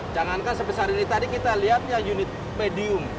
jangankan sebesar ini tadi kita lihat yang unit medium